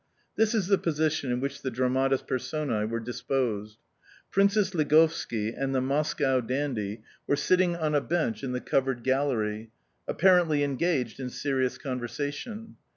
This is the position in which the dramatis personae were disposed: Princess Ligovski and the Moscow dandy were sitting on a bench in the covered gallery apparently engaged in serious conversation.